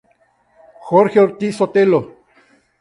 Jorge Ortiz Sotelo.